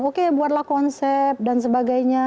oke buatlah konsep dan sebagainya